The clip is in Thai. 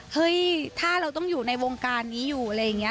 เฮ้ยถ้าเราต้องอยู่ในวงการนี้อยู่อะไรอย่างนี้